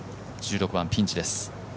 １６番、ピンチです。